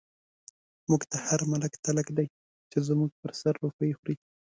موږ ته هر ملک تلک دی، چۍ زموږ په سر روپۍ خوری